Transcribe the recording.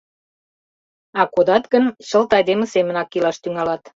А кодат гын, чылт айдеме семынак илаш тӱҥалат.